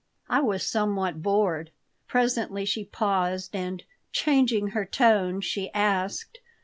I was somewhat bored. Presently she paused, and, changing her tone, she asked.